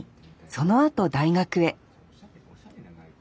そのあと大学へ。